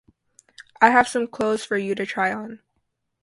I have some clothes for you to try on.